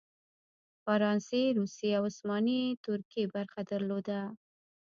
فرانسې، روسیې او عثماني ترکیې برخه درلوده.